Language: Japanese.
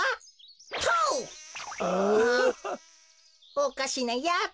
おかしなやつ。